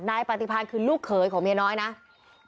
นายปำติภานคือลูกเคยของเมียน้อยเนี่ย